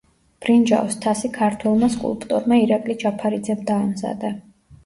ბრინჯაოს თასი ქართველმა სკულპტორმა ირაკლი ჯაფარიძემ დაამზადა.